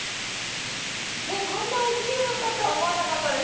こんな大きいものだとは思わなかったです。